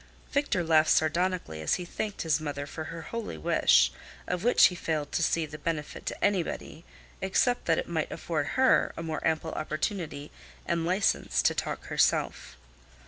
Victor laughed sardonically as he thanked his mother for her holy wish, of which he failed to see the benefit to anybody, except that it might afford her a more ample opportunity and license to talk herself.